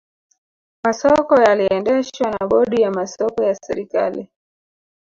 masoko yaliendeshwa na bodi ya masoko ya serikali